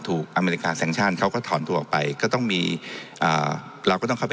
อเมริกาแซงชั่นเขาก็ถอนตัวออกไปก็ต้องมีอ่าเราก็ต้องเข้าไป